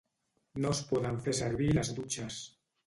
No es poden fer servir les dutxes.